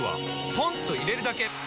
ポンと入れるだけ！